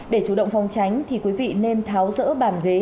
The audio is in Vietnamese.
để chủ động phòng tránh thì quý vị nên tháo rỡ bàn ghế